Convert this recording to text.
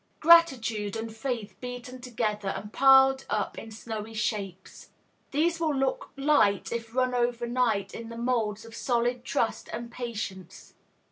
GRATITUDE and FAITH beaten together and piled up in snowy shapes. These will look light if run over night in the moulds of Solid Trust and Patience.